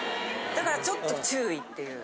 だからちょっと注意っていう。